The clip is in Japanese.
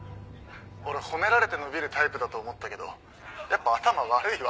俺褒められて伸びるタイプだと思ったけどやっぱ頭悪いわ。